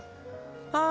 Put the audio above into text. ああ。